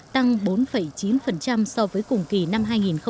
tăng bốn chín so với cùng kỳ năm hai nghìn một mươi tám